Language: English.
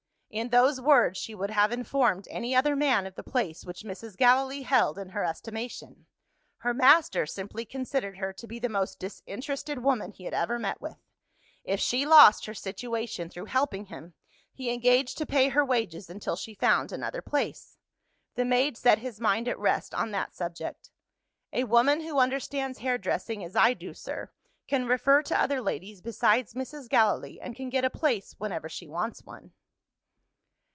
In those words, she would have informed any other man of the place which Mrs. Gallilee held in her estimation. Her master simply considered her to be the most disinterested woman he had ever met with. If she lost her situation through helping him, he engaged to pay her wages until she found another place. The maid set his mind at rest on that subject. "A woman who understands hairdressing as I do, sir, can refer to other ladies besides Mrs. Gallilee, and can get a place whenever she wants one."